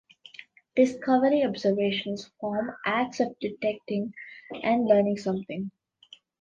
"Discovery" observations form acts of detecting and learning something.